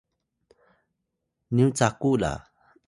nyu caku la